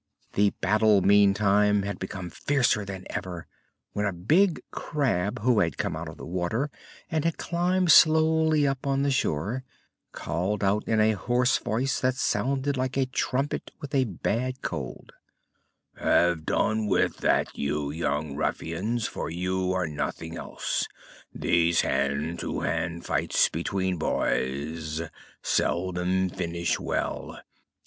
The battle meantime had become fiercer than ever, when a big crab, who had come out of the water and had climbed slowly up on the shore, called out in a hoarse voice that sounded like a trumpet with a bad cold: [Illustration: FOUR RABBITS AS BLACK AS INK ENTERED CARRYING A LITTLE BIER] "Have done with that, you young ruffians, for you are nothing else! These hand to hand fights between boys seldom finish well.